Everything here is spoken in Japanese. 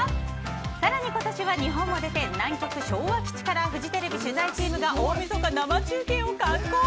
さらに今年は日本を出て南極昭和基地からフジテレビ取材チームが大みそか生中継を敢行。